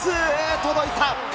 届いた！